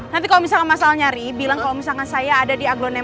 nanti kalau misalnya masal nyari bilang kalau misalnya saya ada di aglonema residen ya